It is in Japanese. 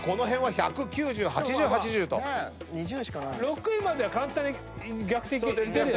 ６位までは簡単に逆転いけるよね。